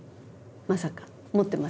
まさか思ってますね？